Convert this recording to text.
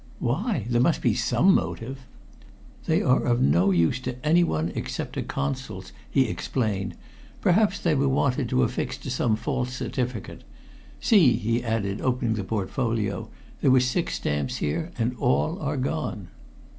"Why? There must be some motive!" "They are of no use to anyone except to Consuls," he explained. "Perhaps they were wanted to affix to some false certificate. See," he added, opening the portfolio, "there were six stamps here, and all are gone."